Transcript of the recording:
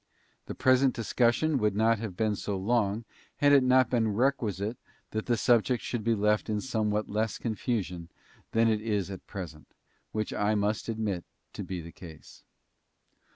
The present discussion would not have been so long had it not been requisite that the subject should be left in somewhat less confusion than it is at present, which I must admit to be the case.